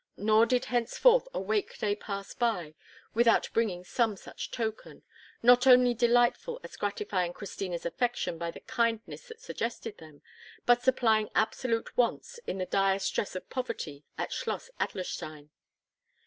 Nor did henceforth a wake day pass by without bringing some such token, not only delightful as gratifying Christina's affection by the kindness that suggested them, but supplying absolute wants in the dire stress of poverty at Schloss Adlerstein.